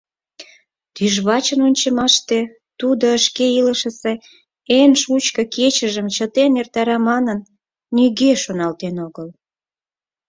Тӱжвачын ончымаште тудо шке илышысе эн шучко кечылажым чытен эртара манын нигӧ шоналтен огыл.